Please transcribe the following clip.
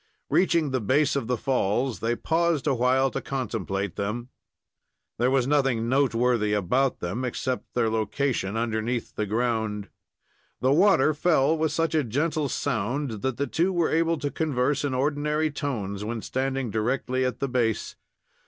Reaching the base of the falls, they paused a while to contemplate them. There was nothing noteworthy about them, except their location underneath the ground. The water fell with such a gentle sound that the two were able to converse in ordinary tones when standing directly at the base.